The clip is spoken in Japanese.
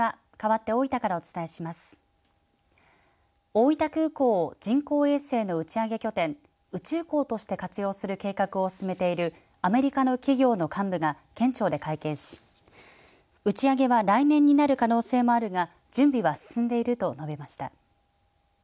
大分空港を人工衛星の打ち上げ拠点、宇宙港として活用する計画を進めているアメリカの企業の幹部が県庁で会見し打ち上げは来年になる可能性もあるが準備は進んでいると述べました。